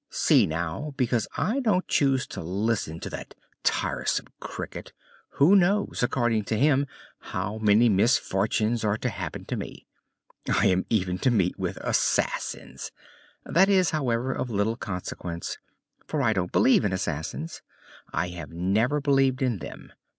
See now; because I don't choose to listen to that tiresome Cricket, who knows, according to him, how many misfortunes are to happen to me! I am even to meet with assassins! That is, however, of little consequence, for I don't believe in assassins I have never believed in them.